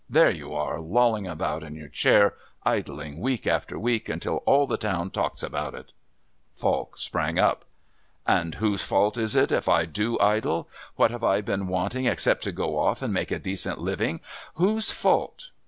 There you are, lolling about in your chair, idling week after week, until all the town talks about it " Falk sprang up. "And whose fault is it if I do idle? What have I been wanting except to go off and make a decent living? Whose fault